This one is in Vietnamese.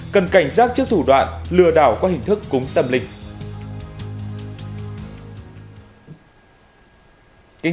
cần cảnh giác trước thủ đoạn lừa đảo qua hình thức cúng tâm linh